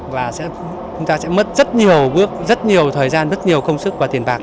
và chúng ta sẽ mất rất nhiều thời gian rất nhiều không sức và tiền bạc